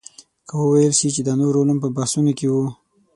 که وویل شي چې دا نور علوم په بحثونو کې وو.